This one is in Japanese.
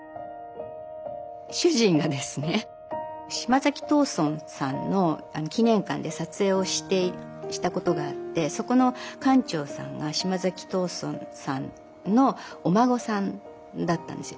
主人がですね島崎藤村さんの記念館で撮影をしたことがあってそこの館長さんが島崎藤村さんのお孫さんだったんですよ。